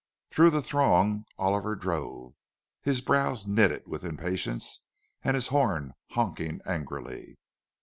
Through the throngs Oliver drove, his brows knitted with impatience and his horn honking angrily.